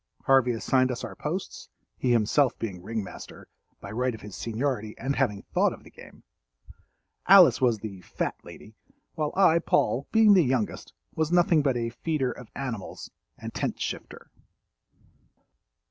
Harvey assigned us our posts—he himself being ring master, by right of his seniority and having thought of the game. Alice was the "fat lady," while I, Paul, being the youngest, was nothing but a "feeder of animals" and tent shifter.